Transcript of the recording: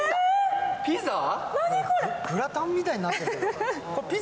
グラタンみたいになってるけど。